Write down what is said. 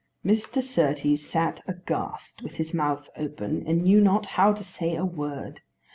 '" Mr. Surtees sat aghast, with his mouth open, and knew not how to say a word.